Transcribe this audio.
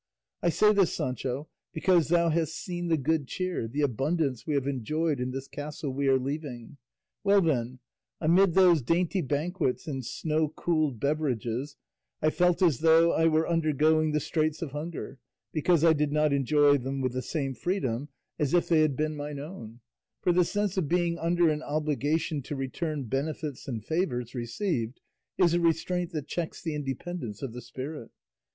I say this, Sancho, because thou hast seen the good cheer, the abundance we have enjoyed in this castle we are leaving; well then, amid those dainty banquets and snow cooled beverages I felt as though I were undergoing the straits of hunger, because I did not enjoy them with the same freedom as if they had been mine own; for the sense of being under an obligation to return benefits and favours received is a restraint that checks the independence of the spirit.